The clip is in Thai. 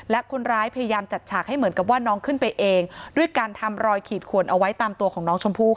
และคนร้ายพยายามจัดฉากให้เหมือนกับว่าน้องขึ้นไปเองด้วยการทำรอยขีดขวนเอาไว้ตามตัวของน้องชมพู่